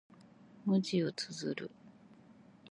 文字を綴る。